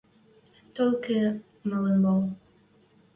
Толькы малын вӓл